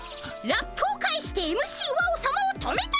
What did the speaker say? ラップを返してＭＣワオさまを止めた！